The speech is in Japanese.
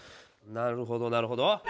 なるほどなるほど。